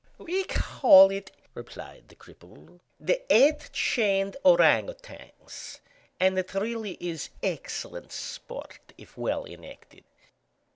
"We call it," replied the cripple, "the Eight Chained Ourang Outangs, and it really is excellent sport if well enacted."